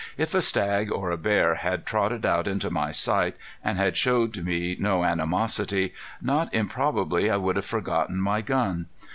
If a stag or a bear had trotted out into my sight, and had showed me no animosity, not improbably I would have forgotten my gun.